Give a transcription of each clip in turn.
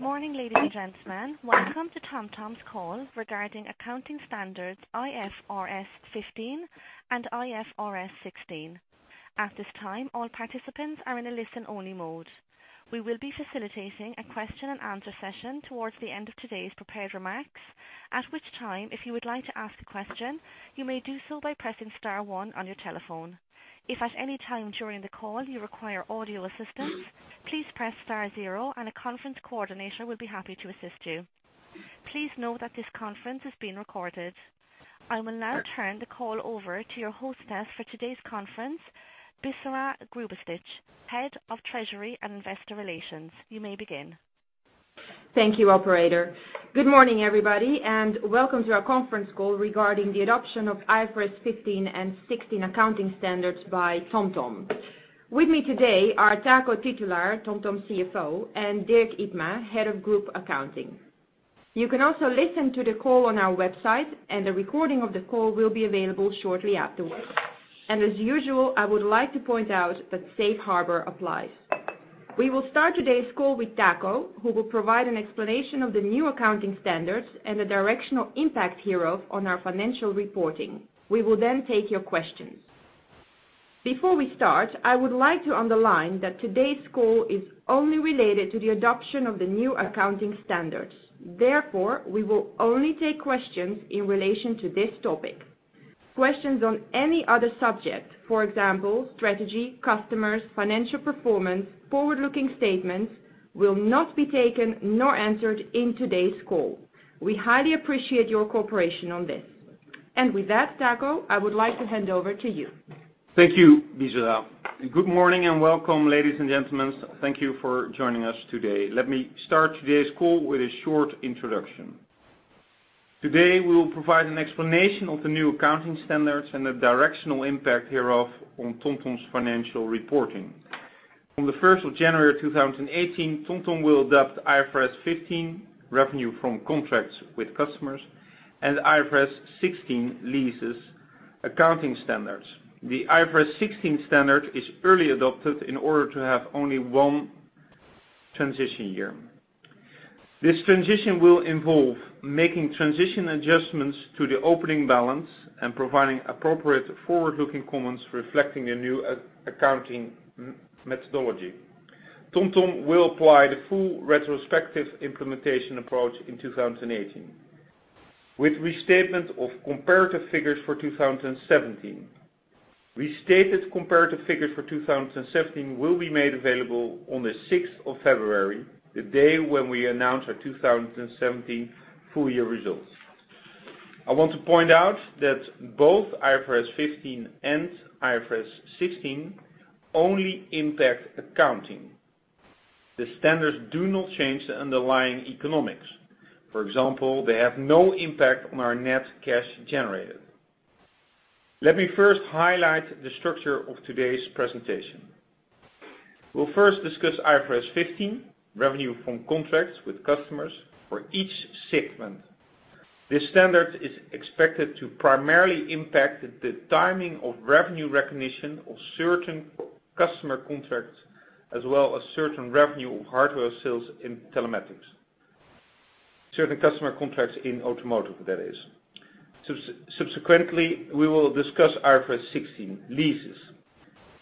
Good morning, ladies and gentlemen. Welcome to TomTom's call regarding accounting standards IFRS 15 and IFRS 16. At this time, all participants are in a listen-only mode. We will be facilitating a question and answer session towards the end of today's prepared remarks, at which time, if you would like to ask a question, you may do so by pressing star one on your telephone. If at any time during the call you require audio assistance, please press star zero and a conference coordinator will be happy to assist you. Please note that this conference is being recorded. I will now turn the call over to your hostess for today's conference, Bisera Grceva, Head of Treasury and Investor Relations. You may begin. Thank you, operator. Good morning, everybody, welcome to our conference call regarding the adoption of IFRS 15 and 16 accounting standards by TomTom. With me today are Taco Titulaer, TomTom CFO, and Dirk Ypma, Head of Group Accounting. You can also listen to the call on our website, a recording of the call will be available shortly afterwards. As usual, I would like to point out that Safe Harbor applies. We will start today's call with Taco, who will provide an explanation of the new accounting standards and the directional impact hereof on our financial reporting. We will then take your questions. Before we start, I would like to underline that today's call is only related to the adoption of the new accounting standards. Therefore, we will only take questions in relation to this topic. Questions on any other subject, for example, strategy, customers, financial performance, forward-looking statements, will not be taken nor answered in today's call. We highly appreciate your cooperation on this. With that, Taco, I would like to hand over to you. Thank you, Bisera. Good morning and welcome, ladies and gentlemen. Thank you for joining us today. Let me start today's call with a short introduction. Today, we will provide an explanation of the new accounting standards and the directional impact hereof on TomTom's financial reporting. On the first of January 2018, TomTom will adopt IFRS 15, revenue from contracts with customers, and IFRS 16 leases accounting standards. The IFRS 16 standard is early adopted in order to have only one transition year. This transition will involve making transition adjustments to the opening balance and providing appropriate forward-looking comments reflecting a new accounting methodology. TomTom will apply the full retrospective implementation approach in 2018, with restatement of comparative figures for 2017. Restated comparative figures for 2017 will be made available on the sixth of February, the day when we announce our 2017 full-year results. I want to point out that both IFRS 15 and IFRS 16 only impact accounting. The standards do not change the underlying economics. For example, they have no impact on our net cash generated. Let me first highlight the structure of today's presentation. We will first discuss IFRS 15, revenue from contracts with customers for each segment. This standard is expected to primarily impact the timing of revenue recognition of certain customer contracts, as well as certain revenue of hardware sales in Telematics. Certain customer contracts in Automotive, that is. Subsequently, we will discuss IFRS 16 leases.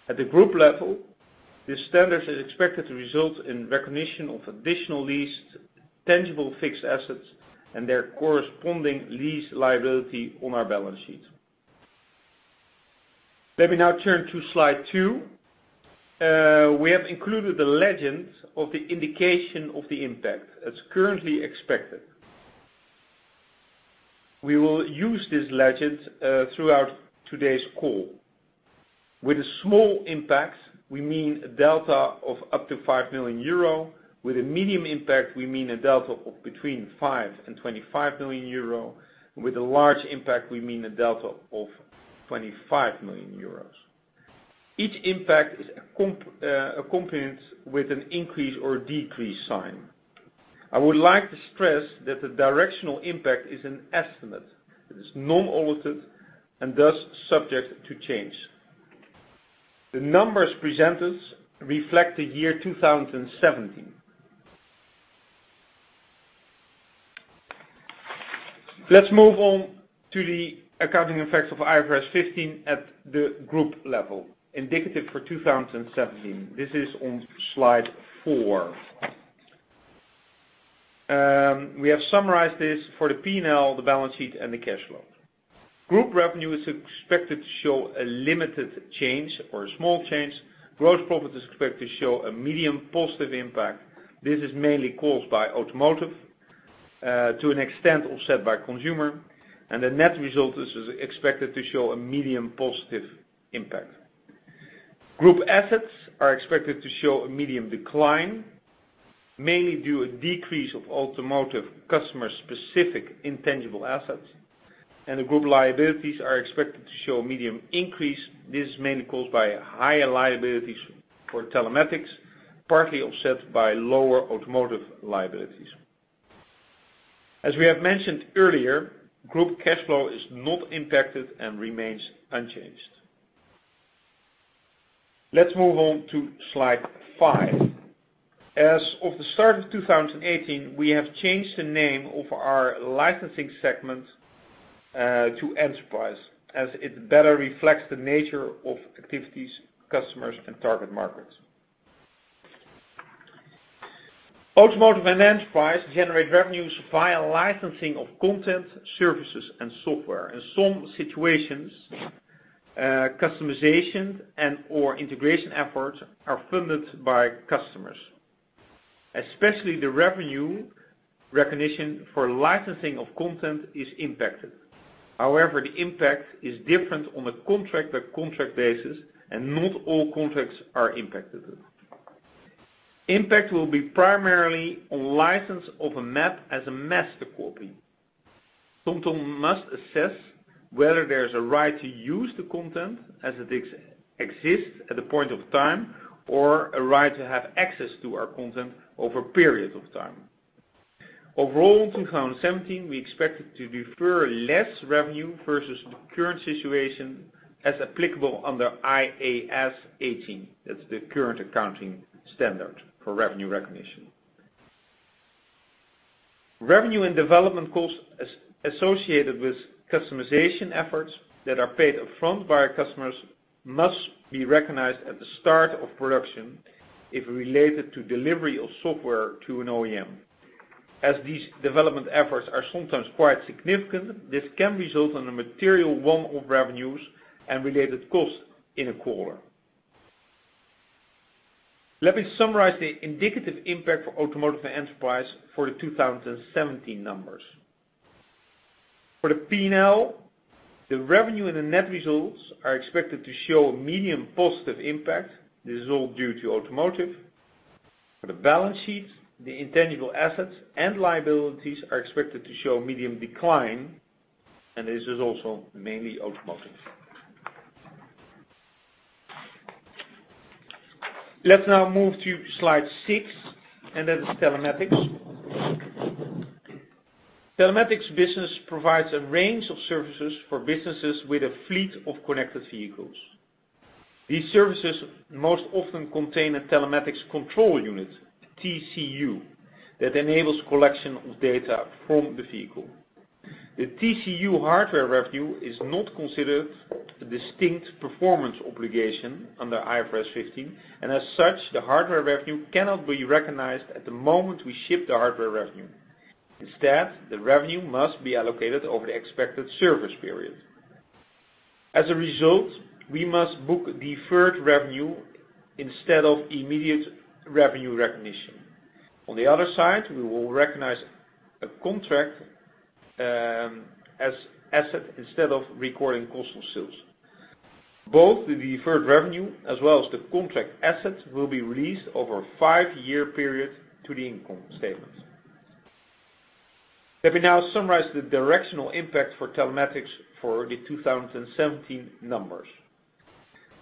At the group level, this standard is expected to result in recognition of additional leased tangible fixed assets and their corresponding lease liability on our balance sheet. Let me now turn to slide two. We have included a legend of the indication of the impact as currently expected. We will use this legend throughout today's call. With a small impact, we mean a delta of up to 5 million euro. With a medium impact, we mean a delta of between five and 25 million euro. With a large impact, we mean a delta of 25 million euros. Each impact is accompanied with an increase or decrease sign. I would like to stress that the directional impact is an estimate. It is non-audited and thus subject to change. The numbers presented reflect the year 2017. Let's move on to the accounting effects of IFRS 15 at the group level, indicative for 2017. This is on slide four. We have summarized this for the P&L, the balance sheet, and the cash flow. Group revenue is expected to show a limited change or a small change. Gross profit is expected to show a medium positive impact. This is mainly caused by Automotive, to an extent offset by Consumer, and the net result is expected to show a medium positive impact. Group assets are expected to show a medium decline, mainly due a decrease of Automotive customer-specific intangible assets, and the group liabilities are expected to show a medium increase. This is mainly caused by higher liabilities for Telematics, partly offset by lower Automotive liabilities. As we have mentioned earlier, group cash flow is not impacted and remains unchanged. Let's move on to slide five. As of the start of 2018, we have changed the name of our licensing segment to Enterprise, as it better reflects the nature of activities, customers, and target markets. Automotive and Enterprise generate revenues via licensing of content, services, and software. In some situations, customization and/or integration efforts are funded by customers. Especially the revenue recognition for licensing of content is impacted. However, the impact is different on a contract-to-contract basis, and not all contracts are impacted. Impact will be primarily on license of a map as a master copy. TomTom must assess whether there's a right to use the content as it exists at the point of time, or a right to have access to our content over a period of time. Overall, in 2017, we expected to defer less revenue versus the current situation as applicable under IAS 18. That's the current accounting standard for revenue recognition. Revenue and development costs associated with customization efforts that are paid upfront by our customers must be recognized at the start of production if related to delivery of software to an OEM. As these development efforts are sometimes quite significant, this can result in a material one-off revenues and related costs in a quarter. Let me summarize the indicative impact for Automotive and Enterprise for the 2017 numbers. For the P&L, the revenue and the net results are expected to show a medium positive impact. This is all due to Automotive. For the balance sheet, the intangible assets and liabilities are expected to show a medium decline, and this is also mainly Automotive. Let's now move to slide six, and that is Telematics. Telematics business provides a range of services for businesses with a fleet of connected vehicles. These services most often contain a Telematics control unit, TCU, that enables collection of data from the vehicle. The TCU hardware revenue is not considered a distinct performance obligation under IFRS 15, and as such, the hardware revenue cannot be recognized at the moment we ship the hardware revenue. Instead, the revenue must be allocated over the expected service period. As a result, we must book deferred revenue instead of immediate revenue recognition. On the other side, we will recognize a contract as asset instead of recording cost of sales. Both the deferred revenue as well as the contract asset will be released over a five-year period to the income statement. Let me now summarize the directional impact for Telematics for the 2017 numbers.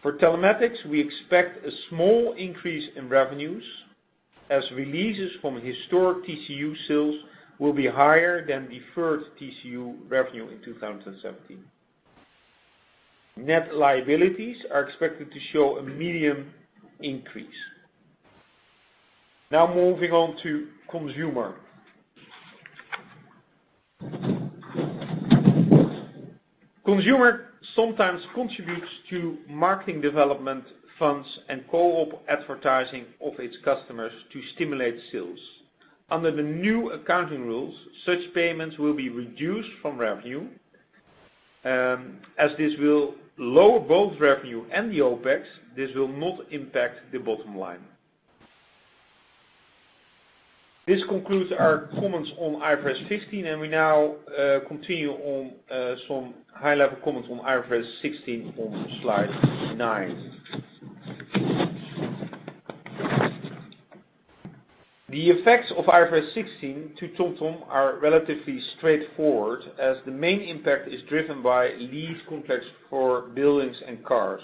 For Telematics, we expect a small increase in revenues as releases from historic TCU sales will be higher than deferred TCU revenue in 2017. Net liabilities are expected to show a medium increase. Now moving on to Consumer. Consumer sometimes contributes to marketing development funds and co-op advertising of its customers to stimulate sales. Under the new accounting rules, such payments will be reduced from revenue. As this will lower both revenue and the OPEX, this will not impact the bottom line. This concludes our comments on IFRS 15, and we now continue on some high-level comments on IFRS 16 on slide nine. The effects of IFRS 16 to TomTom are relatively straightforward, as the main impact is driven by lease contracts for buildings and cars.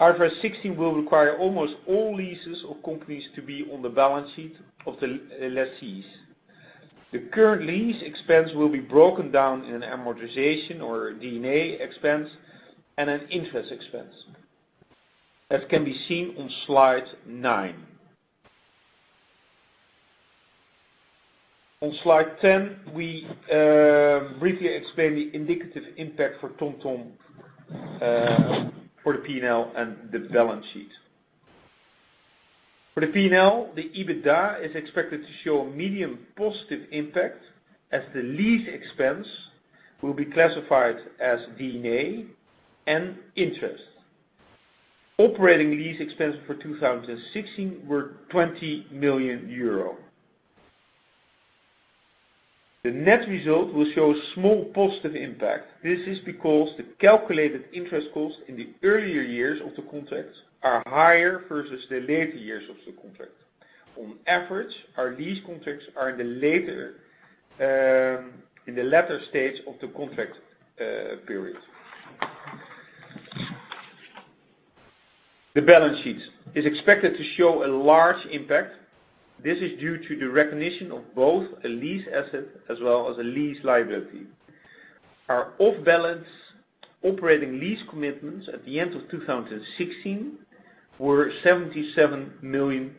IFRS 16 will require almost all leases of companies to be on the balance sheet of the lessees. The current lease expense will be broken down in an amortization or D&A expense and an interest expense, as can be seen on slide nine. On slide 10, we briefly explain the indicative impact for TomTom for the P&L and the balance sheet. For the P&L, the EBITDA is expected to show a medium positive impact as the lease expense will be classified as D&A and interest. Operating lease expense for 2016 were 20 million euro. The net result will show a small positive impact. This is because the calculated interest costs in the earlier years of the contract are higher versus the later years of the contract. On average, our lease contracts are in the latter stage of the contract period. The balance sheet is expected to show a large impact. This is due to the recognition of both a lease asset as well as a lease liability. Our off-balance operating lease commitments at the end of 2016 were EUR 77 million.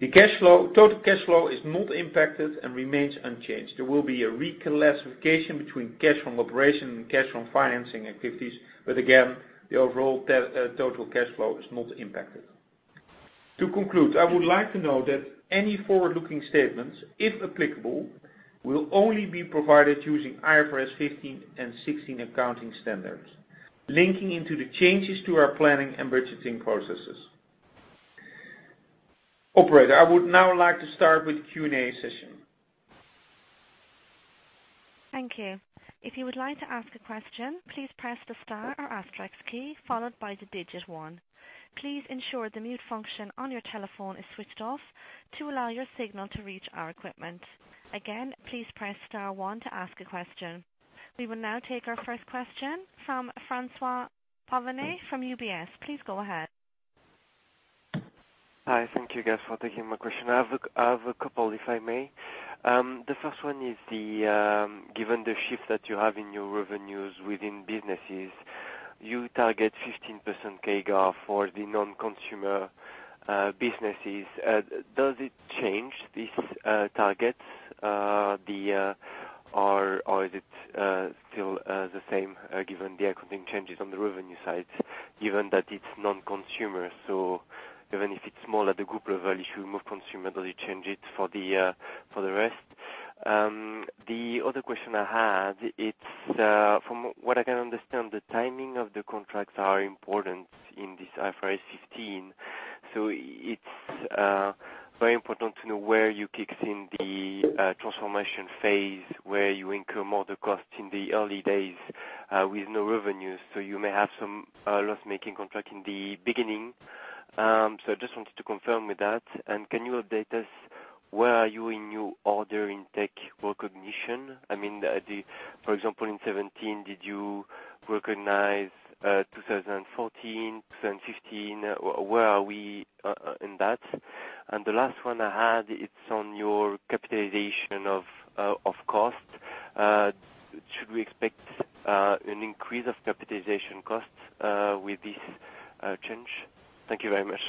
The total cash flow is not impacted and remains unchanged. There will be a reclassification between cash from operation and cash from financing activities, but again, the overall total cash flow is not impacted. To conclude, I would like to note that any forward-looking statements, if applicable, will only be provided using IFRS 15 and 16 accounting standards, linking into the changes to our planning and budgeting processes. Operator, I would now like to start with the Q&A session. Thank you. If you would like to ask a question, please press the star or asterisk key followed by the digit 1. Please ensure the mute function on your telephone is switched off to allow your signal to reach our equipment. Again, please press star 1 to ask a question. We will now take our first question from François-Xavier Bouvignies from UBS. Please go ahead. Hi. Thank you guys for taking my question. I have a couple, if I may. The first one is, given the shift that you have in your revenues within businesses, you target 15% CAGR for the non-consumer businesses. Does it change these targets? Or is it still the same given the accounting changes on the revenue side, given that it's non-consumer? Even if it's more at the group level, you move consumer, does it change it for the rest? The other question I had, from what I can understand, the timing of the contracts are important in this IFRS 15. It's very important to know where you kick in the transformation phase, where you incur more of the cost in the early days with no revenues. You may have some loss-making contract in the beginning. I just wanted to confirm with that. Can you update us, where are you in your order intake recognition? For example, in 2017, did you recognize 2014, 2015? Where are we in that? The last one I had, it's on your capitalization of cost. Should we expect an increase of capitalization costs with this change? Thank you very much.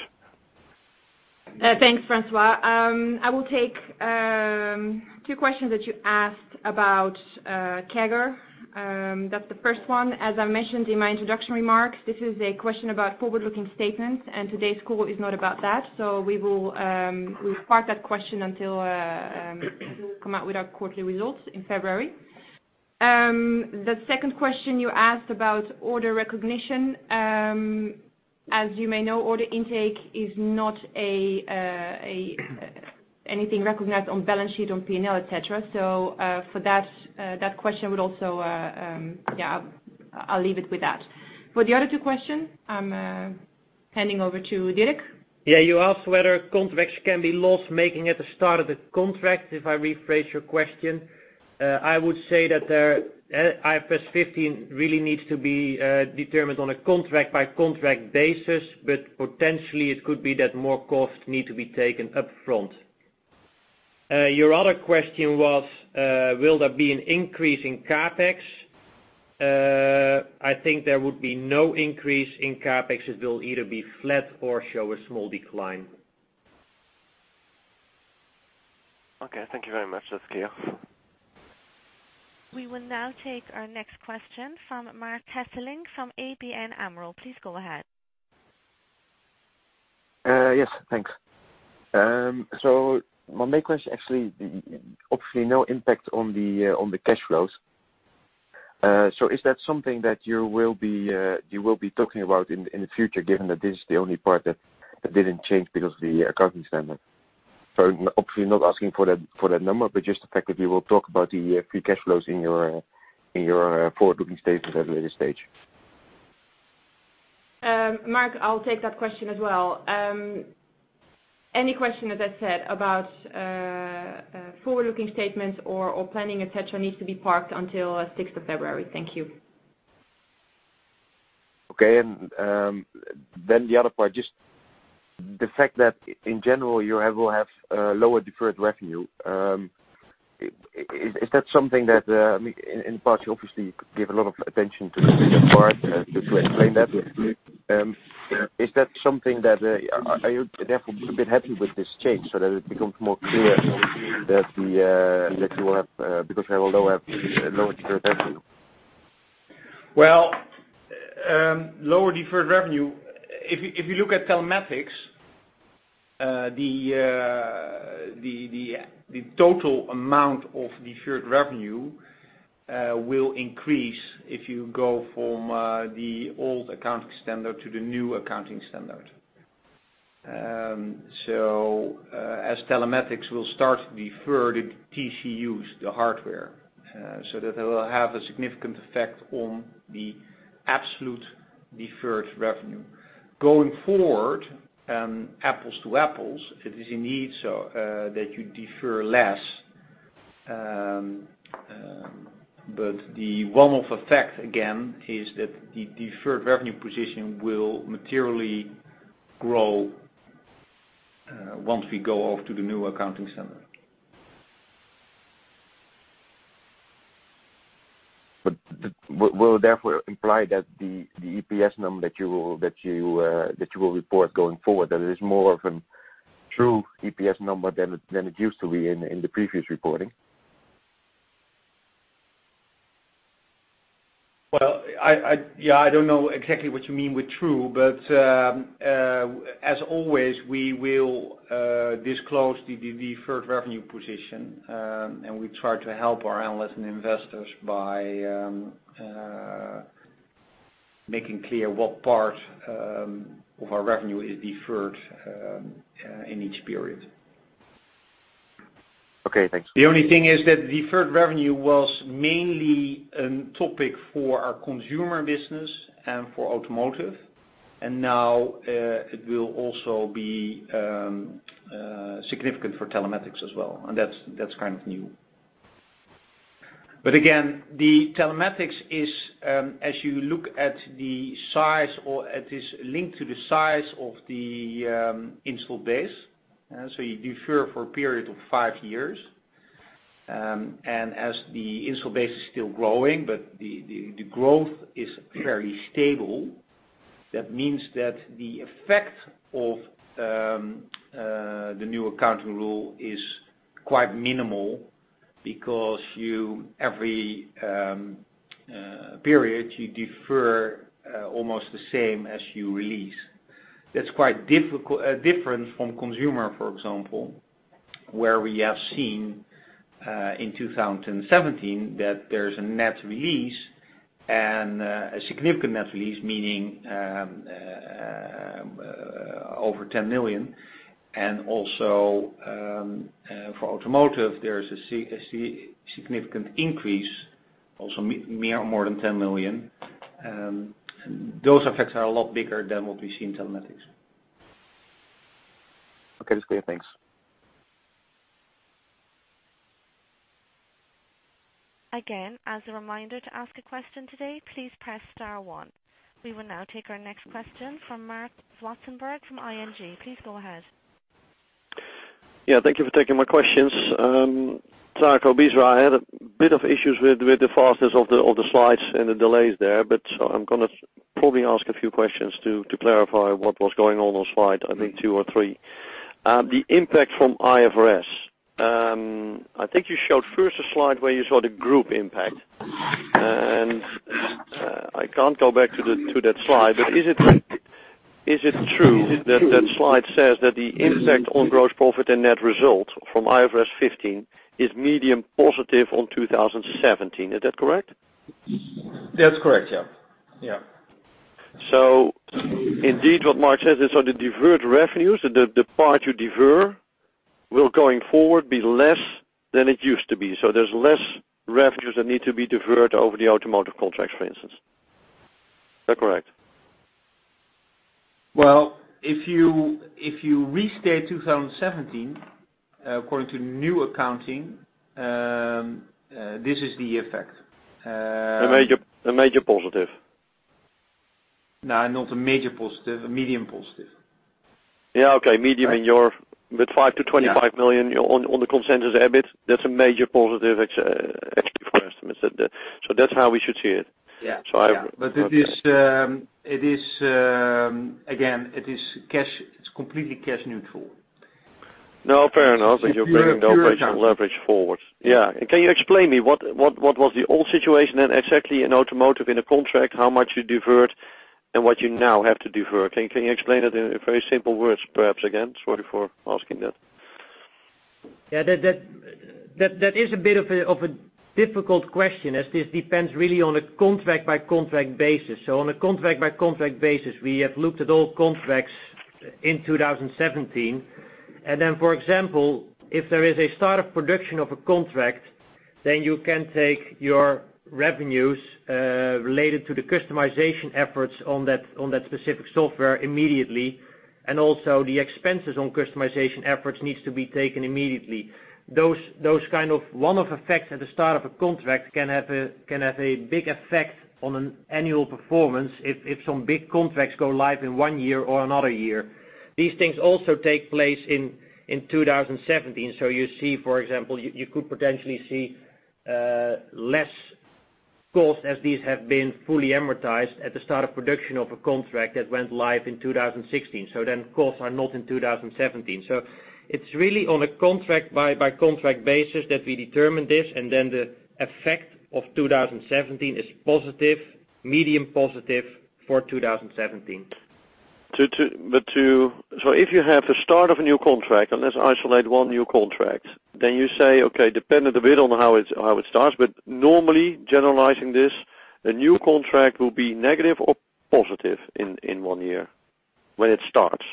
Thanks, François. I will take two questions that you asked about CAGR. That's the first one. As I mentioned in my introduction remarks, this is a question about forward-looking statements, and today's call is not about that. We will park that question until we come out with our quarterly results in February. The second question you asked about order recognition. As you may know, order intake is not anything recognized on balance sheet, on P&L, et cetera. For that question, I'll leave it with that. For the other two question, I'm handing over to Dirk. Yeah, you asked whether contracts can be loss-making at the start of the contract, if I rephrase your question. I would say that IFRS 15 really needs to be determined on a contract by contract basis, potentially it could be that more costs need to be taken upfront. Your other question was, will there be an increase in CapEx? I think there would be no increase in CapEx. It will either be flat or show a small decline. Okay. Thank you very much. That's clear. We will now take our next question from Marc Hesselink from ABN AMRO. Please go ahead. Yes. Thanks. My main question, actually, obviously, no impact on the cash flows. Is that something that you will be talking about in the future, given that this is the only part that didn't change because of the accounting standard? Obviously not asking for that number, but just the fact that we will talk about the free cash flows in your forward-looking statements at a later stage. Marc, I'll take that question as well. Any question, as I said, about forward-looking statements or planning, et cetera, needs to be parked until 6th of February. Thank you. Okay. The other part, just the fact that in general, you will have lower deferred revenue. In part, you obviously give a lot of attention to that part, just to explain that. Are you therefore a bit happy with this change so that it becomes more clear that because you will have lower deferred revenue? Well, lower deferred revenue. If you look at Telematics, the total amount of deferred revenue will increase if you go from the old accounting standard to the new accounting standard. As Telematics will start to defer the TCUs, the hardware, that will have a significant effect on the absolute deferred revenue. Going forward, apples to apples, it is indeed so that you defer less. The one-off effect, again, is that the deferred revenue position will materially grow. Once we go off to the new accounting standard. Will therefore imply that the EPS number that you will report going forward, that it is more of a true EPS number than it used to be in the previous reporting? Well, I don't know exactly what you mean with true, but, as always, we will disclose the deferred revenue position, and we try to help our analysts and investors by making clear what part of our revenue is deferred in each period. Okay. Thanks. The only thing is that deferred revenue was mainly a topic for our Consumer business and for Automotive. Now it will also be significant for Telematics as well. That's kind of new. Again, the Telematics is linked to the size of the install base. You defer for a period of five years. As the install base is still growing, but the growth is fairly stable, that means that the effect of the new accounting rule is quite minimal because every period, you defer almost the same as you release. That's quite different from consumer, for example, where we have seen, in 2017, that there's a net release and a significant net release, meaning over EUR 10 million. Also, for Automotive, there is a significant increase, also more than 10 million. Those effects are a lot bigger than what we see in telematics. Okay, that's clear. Thanks. Again, as a reminder to ask a question today, please press star one. We will now take our next question from Marc Zwartsenburg from ING. Please go ahead. Yeah. Thank you for taking my questions. Taco, Bisera, I had a bit of issues with the fastest of the slides and the delays there. I'm going to probably ask a few questions to clarify what was going on on slide two or three. The impact from IFRS. I think you showed first a slide where you saw the group impact. I can't go back to that slide, but is it true that that slide says that the impact on gross profit and net result from IFRS 15 is medium positive on 2017? Is that correct? That's correct. Indeed, what Marc says is on the deferred revenues, the part you defer will going forward be less than it used to be. There's less revenues that need to be deferred over the automotive contracts, for instance. Is that correct? If you restate 2017, according to new accounting, this is the effect. A major positive. Not a major positive, a medium positive. Medium in your, with 5 million-25 million on the consensus EBIT, that's a major positive actually for estimates. That's how we should see it. It is, again, it is completely cash neutral. No, fair enough. You're bringing the operational leverage forward. Can you explain me what was the old situation and exactly in automotive, in a contract, how much you deferred and what you now have to defer? Can you explain that in very simple words, perhaps, again? Sorry for asking that. That is a bit of a difficult question as this depends really on a contract by contract basis. On a contract by contract basis, we have looked at all contracts in 2017. For example, if there is a start of production of a contract, then you can take your revenues related to the customization efforts on that specific software immediately. Also the expenses on customization efforts needs to be taken immediately. Those kind of one-off effects at the start of a contract can have a big effect on an annual performance if some big contracts go live in one year or another year. These things also take place in 2017. You see, for example, you could potentially see less cost as these have been fully amortized at the start of production of a contract that went live in 2016. Costs are not in 2017. It's really on a contract by contract basis that we determine this, and then the effect of 2017 is positive, medium positive for 2017. If you have the start of a new contract, and let's isolate one new contract, then you say, okay, dependent a bit on how it starts. Normally generalizing this, a new contract will be negative or positive in one year when it starts,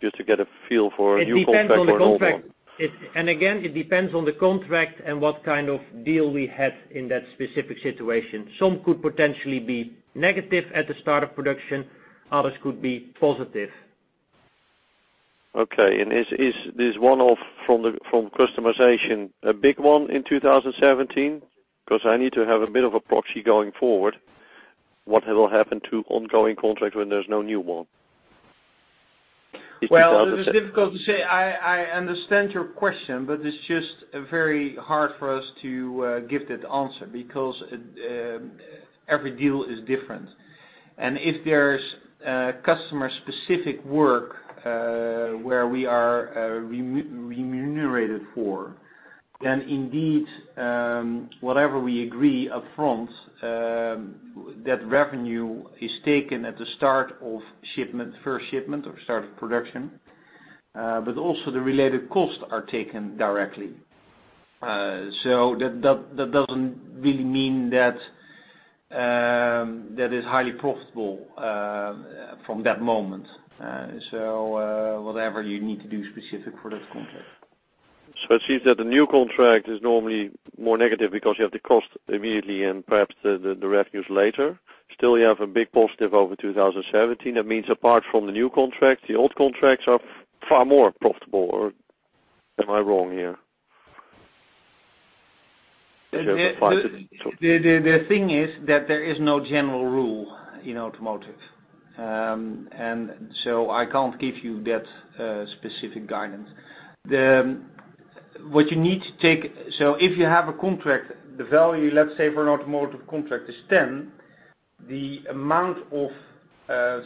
just to get a feel for a new contract or an old one. Again, it depends on the contract and what kind of deal we had in that specific situation. Some could potentially be negative at the start of production. Others could be positive. Okay. Is this one-off from customization a big one in 2017? Because I need to have a bit of a proxy going forward. What will happen to ongoing contracts when there's no new one? 2017 Well, it is difficult to say. I understand your question, but it's just very hard for us to give that answer, because every deal is different. If there's customer-specific work, where we are remunerated for, then indeed, whatever we agree up front, that revenue is taken at the start of first shipment or start of production, but also the related costs are taken directly. That doesn't really mean that is highly profitable from that moment. Whatever you need to do specific for that contract. It seems that the new contract is normally more negative because you have the cost immediately and perhaps the revenues later. Still, you have a big positive over 2017. That means apart from the new contract, the old contracts are far more profitable, or am I wrong here? The thing is that there is no general rule in automotive. I can't give you that specific guidance. If you have a contract, the value, let's say, for an automotive contract is 10, the amount of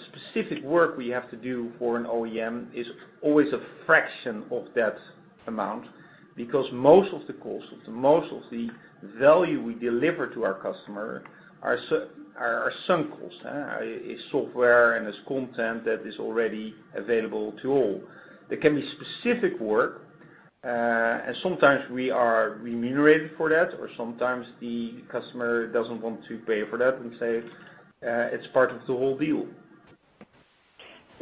specific work we have to do for an OEM is always a fraction of that amount, because most of the cost, most of the value we deliver to our customer are sunk cost. Is software and is content that is already available to all. There can be specific work, sometimes we are remunerated for that, or sometimes the customer doesn't want to pay for that and say, it's part of the whole deal.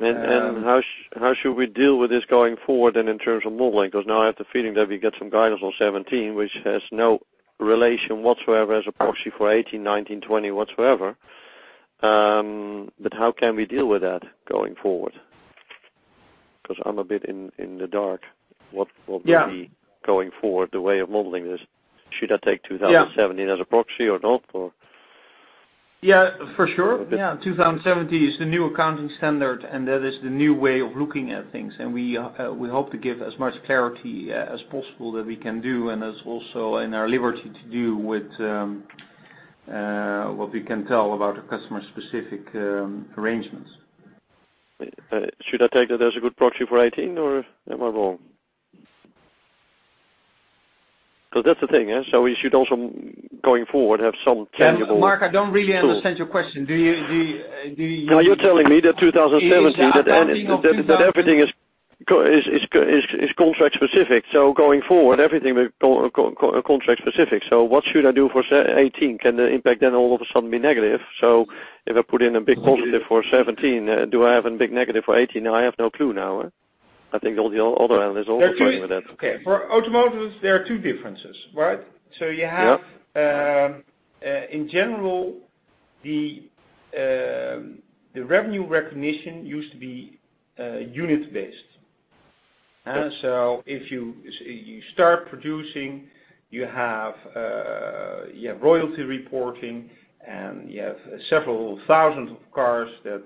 How should we deal with this going forward then in terms of modeling? Because now I have the feeling that we get some guidance on 2017, which has no relation whatsoever as a proxy for 2018, 2019, 2020, whatsoever. How can we deal with that going forward? Because I'm a bit in the dark. Yeah. What will be going forward, the way of modeling this? Should I take 2017 as a proxy or not? Yeah, for sure. 2017 is the new accounting standard, that is the new way of looking at things. We hope to give as much clarity as possible that we can do, and that's also in our liberty to do with what we can tell about our customer-specific arrangements. Should I take that as a good proxy for 2018, or am I wrong? Because that's the thing. We should also, going forward, have some tangible tools. Marc, I don't really understand your question. No, you're telling me that 2017 I'm talking of 2017 that everything is contract specific. Going forward, everything will be contract specific. What should I do for 2018? Can the impact then all of a sudden be negative? If I put in a big positive for 2017, do I have a big negative for 2018? I have no clue now. I think all the other analysts also fighting with that. Okay. For automotive, there are 2 differences. you have Yeah in general, the revenue recognition used to be unit-based. Okay. If you start producing, you have royalty reporting, and you have several thousand cars that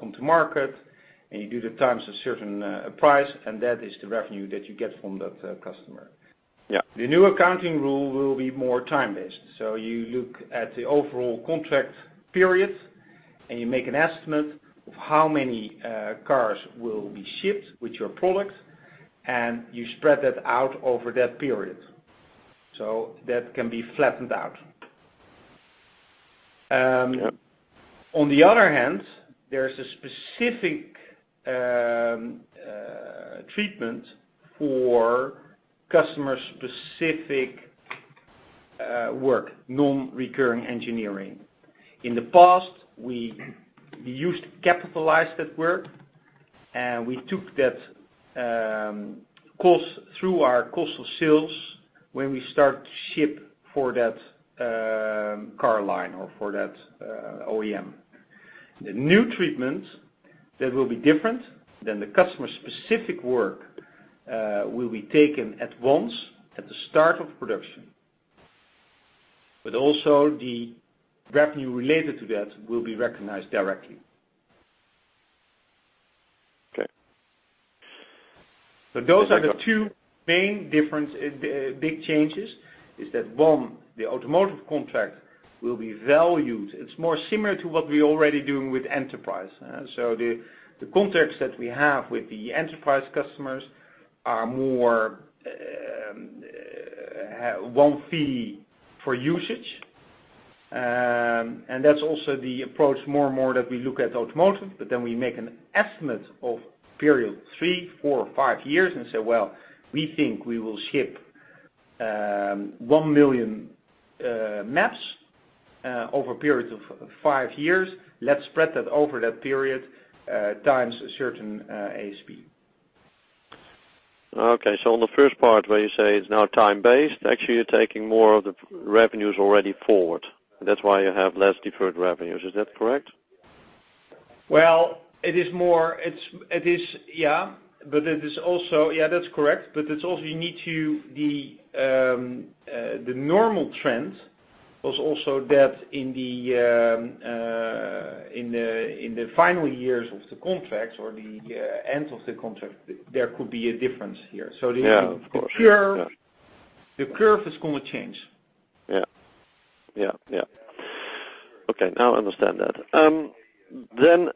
come to market, and you do the times a certain price, and that is the revenue that you get from that customer. Yeah. The new accounting rule will be more time-based. You look at the overall contract period, and you make an estimate of how many cars will be shipped with your product, and you spread that out over that period. That can be flattened out. Yep. On the other hand, there's a specific treatment for customer-specific work, non-recurring engineering. In the past, we used to capitalize that work, and we took that cost through our cost of sales when we start to ship for that car line or for that OEM. The new treatment, that will be different, then the customer-specific work will be taken at once at the start of production. Also the revenue related to that will be recognized directly. Okay. Those are the two main differences, big changes, is that, one, the automotive contract will be valued. It's more similar to what we're already doing with Enterprise. The contracts that we have with the Enterprise customers are more one fee for usage. That's also the approach more and more that we look at automotive, then we make an estimate of period three, four, or five years and say, "Well, we think we will ship 1 million maps over a period of five years. Let's spread that over that period times a certain ASP. Okay. On the first part where you say it's now time-based, actually you're taking more of the revenues already forward. That's why you have less deferred revenues. Is that correct? Yeah, that's correct. Also, the normal trend was that in the final years of the contract or the end of the contract, there could be a difference here. Yeah, of course. The curve is going to change. Yeah. Now I understand that. Yeah,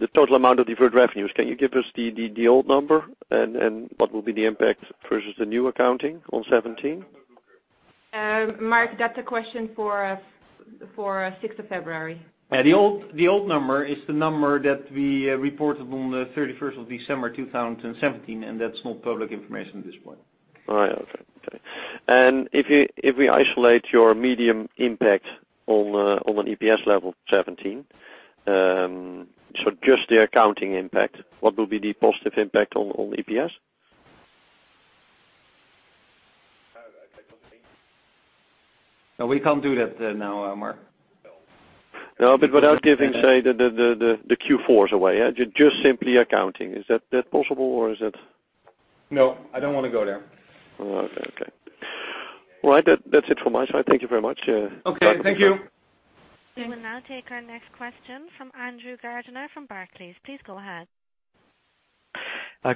the total amount of deferred revenues, can you give us the old number and what will be the impact versus the new accounting on 2017? Marc, that's a question for 6th of February. The old number is the number that we reported on the 31st of December 2017, that's not public information at this point. Right. Okay. If we isolate your medium impact on an EPS level 17, just the accounting impact, what will be the positive impact on EPS? No, we can't do that now, Marc. No, without giving, say, the Q4s away. Just simply accounting. Is that possible, or is it No, I don't want to go there. Okay. All right, that's it from my side. Thank you very much. Okay, thank you. We will now take our next question from Andrew Gardiner from Barclays. Please go ahead.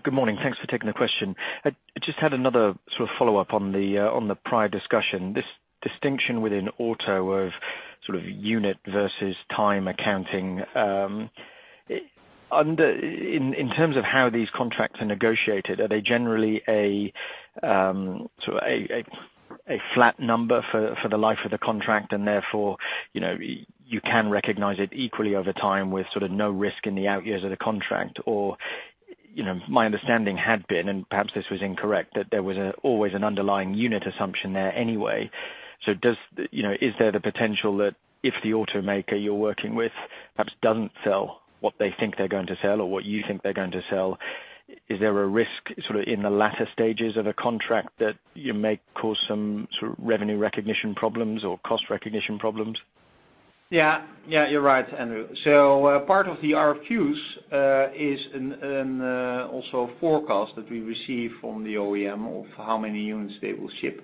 Good morning. Thanks for taking the question. I just had another sort of follow-up on the prior discussion. This distinction within auto of sort of unit versus time accounting. In terms of how these contracts are negotiated, are they generally a flat number for the life of the contract and therefore, you can recognize it equally over time with sort of no risk in the out years of the contract or, my understanding had been, and perhaps this was incorrect, that there was always an underlying unit assumption there anyway. Is there the potential that if the automaker you're working with perhaps doesn't sell what they think they're going to sell or what you think they're going to sell, is there a risk sort of in the latter stages of a contract that you may cause some sort of revenue recognition problems or cost recognition problems? Yeah, you're right, Andrew. Part of the RFQs is also a forecast that we receive from the OEM of how many units they will ship.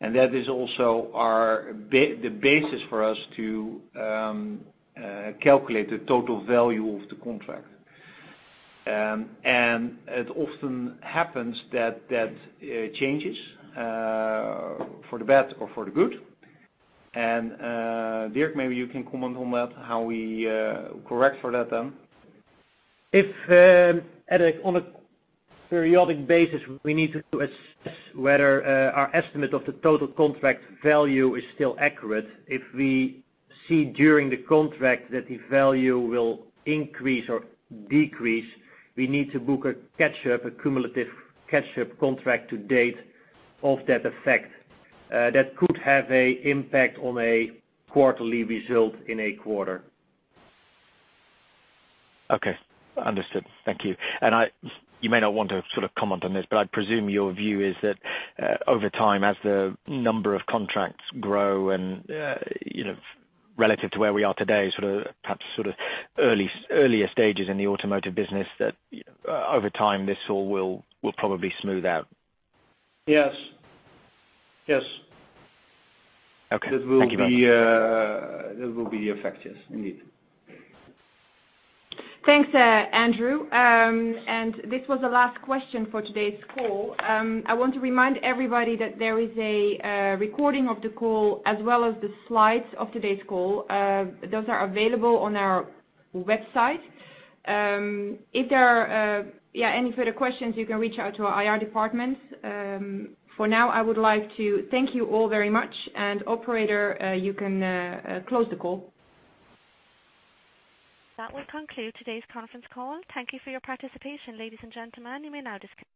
That is also the basis for us to calculate the total value of the contract. It often happens that it changes for the bad or for the good. Dirk, maybe you can comment on that, how we correct for that then. On a periodic basis, we need to assess whether our estimate of the total contract value is still accurate. If we see during the contract that the value will increase or decrease, we need to book a cumulative catch-up contract to date of that effect. That could have an impact on a quarterly result in a quarter. Okay. Understood. Thank you. You may not want to sort of comment on this, but I presume your view is that over time, as the number of contracts grow and, relative to where we are today, perhaps sort of earlier stages in the automotive business, that over time, this all will probably smooth out. Yes. Okay. Thank you very much. That will be effective, indeed. Thanks, Andrew. This was the last question for today's call. I want to remind everybody that there is a recording of the call as well as the slides of today's call. Those are available on our website. If there are any further questions, you can reach out to our IR department. For now, I would like to thank you all very much. Operator, you can close the call. That will conclude today's conference call. Thank you for your participation, ladies and gentlemen. You may now disconnect.